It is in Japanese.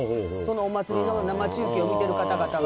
お祭りの生中継を見てる方々は。